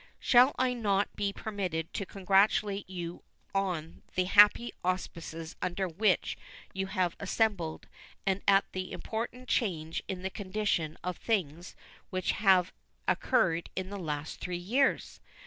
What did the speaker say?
Shall I not be permitted to congratulate you on the happy auspices under which you have assembled and at the important change in the condition of things which has occurred in the last three years?